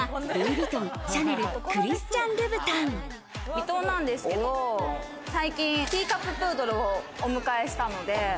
ヴィトンなんですけど、最近ティーカッププードルをお迎えしたので。